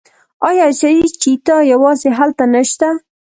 آیا اسیایي چیتا یوازې هلته نشته؟